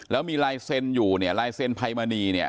แล้วมีลายเซ็นต์อยู่เนี่ยลายเซ็นภัยมณีเนี่ย